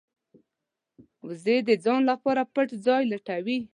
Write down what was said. وزې د ځان لپاره پټ ځای لټوي